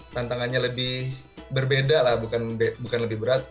tantangannya lebih berbeda lah bukan lebih berat